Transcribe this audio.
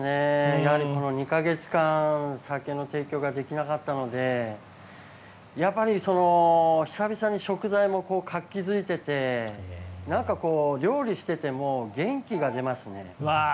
やはり、この２か月間酒の提供ができなかったのでやっぱり久々に食材も活気づいていて何か料理していても元気が出ますね！